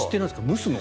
蒸すの？